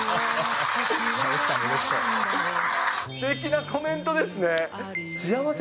すてきなコメントですね。